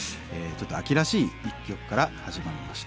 ちょっと秋らしい一曲から始まりました。